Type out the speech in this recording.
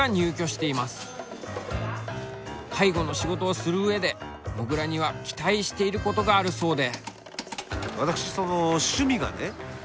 介護の仕事をする上でもぐらには期待していることがあるそうで。